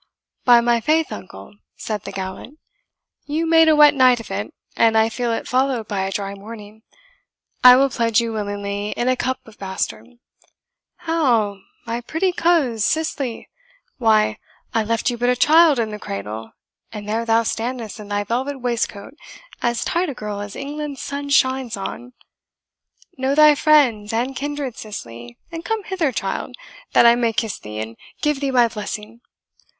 "By my faith, uncle," said the gallant, "you made a wet night of it, and I feel it followed by a dry morning. I will pledge you willingly in a cup of bastard. How, my pretty coz Cicely! why, I left you but a child in the cradle, and there thou stand'st in thy velvet waistcoat, as tight a girl as England's sun shines on. Know thy friends and kindred, Cicely, and come hither, child, that I may kiss thee, and give thee my blessing."